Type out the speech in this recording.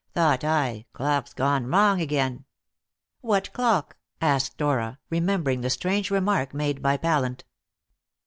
Thought I, Clock's gone wrong again." "What clock?" asked Dora, remembering the strange remark made by Pallant.